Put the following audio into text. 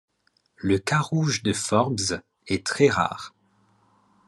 Le carouge de Forbes est très rare.